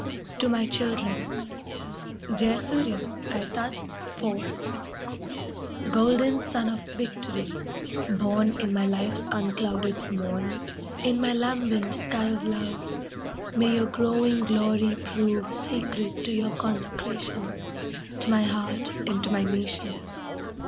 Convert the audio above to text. TO MY CHILDREN Jaya Surya, aetat 4 Golden sun of victory, born In my life's unclouded morn, In my lambent sky of love, May your growing glory prove Sacred to your consecration, To my heart and to my nation.